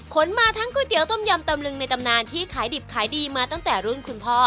มาทั้งก๋วยเตี๋ต้มยำตำลึงในตำนานที่ขายดิบขายดีมาตั้งแต่รุ่นคุณพ่อ